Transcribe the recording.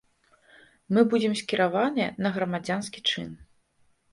Мы будзем скіраваныя на грамадзянскі чын.